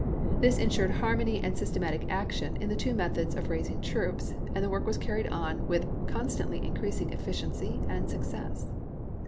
This in sured harmony and systematic action in the two methods of raising troops, and the work was car ried on with constantly increasing efficiency and success.